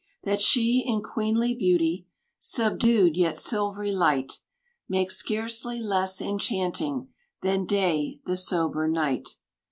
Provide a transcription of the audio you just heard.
That she in queenly beauty, Subdued yet silvery light, Makes scarcely less enchanting Than day, the sober night.